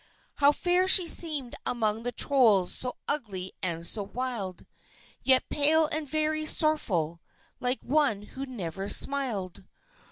How fair she seemed among the Trolls so ugly and so wild! Yet pale and very sorrowful, like one who never smiled!